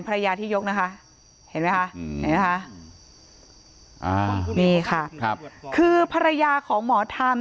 ภรรยาที่ยกนะคะเห็นไหมคะเห็นไหมคะอ่านี่ค่ะครับคือภรรยาของหมอธรรม